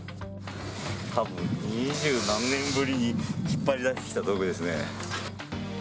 たぶん、二十何年ぶりに引っ張り出してきた道具ですね。